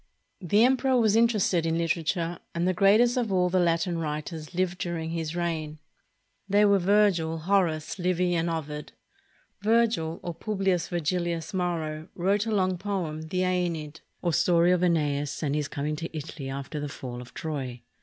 The emperor was interested in literature, and the greatest of all the Latin writers lived during his reign. They were Virgil, Horace, Livy, and Ovid. Virgil, or Publius Virgilius Maro, wrote a long poem, the "^Eneid," or story of ^neas and his coming to Italy after the fall of Troy.